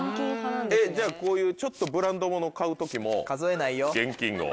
じゃあこういうちょっとブランド物買う時も現金を。